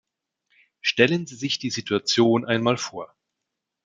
Stellen Sie sich die Situation einmal vor.